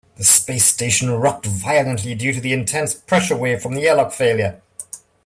The space station rocked violently due to the intense pressure wave from the airlock failure.